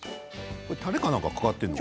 たれか何かかかっているのかな。